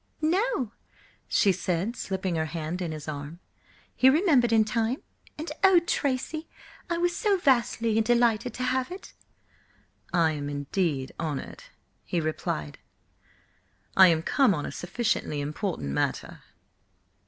"No," she said, slipping her hand in his arm. "He remembered in time, and–oh, Tracy, I was so vastly delighted to have it!" "I am indeed honoured," he replied. "I am come on a sufficiently important matter."